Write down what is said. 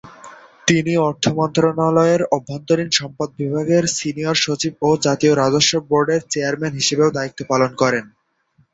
তিনি অর্থ মন্ত্রণালয়ের অভ্যন্তরীণ সম্পদ বিভাগের সিনিয়র সচিব ও জাতীয় রাজস্ব বোর্ডের চেয়ারম্যান হিসেবেও দায়িত্ব পালন করেন।